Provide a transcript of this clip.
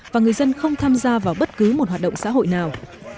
và người dân không tham gia vào bất cứ một hoạt động xã hội nào